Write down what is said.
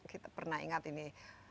kita pernah ingat ini